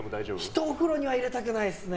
人をお風呂には入れたくないですね。